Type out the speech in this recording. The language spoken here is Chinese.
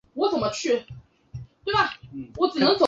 它类似微软的组件对象模型。